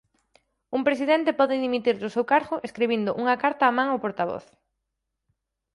Un Presidente pode dimitir do seu cargo escribindo unha carta a man ao Portavoz.